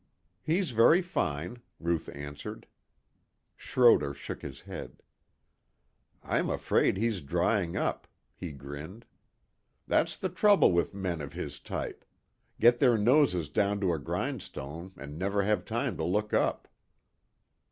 "He's very fine," Ruth answered. Schroder shook his head. "I'm afraid he's drying up," he grinned. "That's the trouble with men of his type. Get their noses down to a grindstone and never have time to look up."